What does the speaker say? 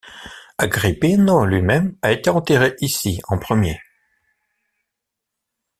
Agrippino lui-même a été enterré ici en premier.